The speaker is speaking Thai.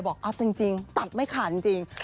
บอกเอาจริงตัดไม่ขาดจริง